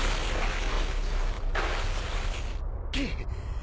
くっ！